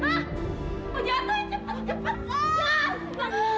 mendingan kita ke taman aja yuk tempat yang romantis